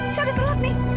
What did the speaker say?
saya udah terlalu laat nih